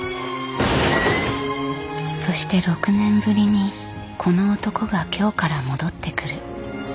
そして６年ぶりにこの男が京から戻ってくる。